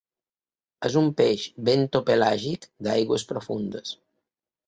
És un peix bentopelàgic d'aigües profundes.